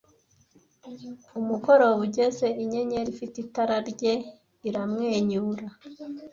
umugoroba ugeze inyenyeri ifite itara rye iramwenyura